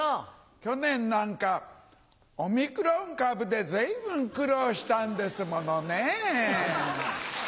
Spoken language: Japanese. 去年なんかオミクロン株で随分苦労したんですものね。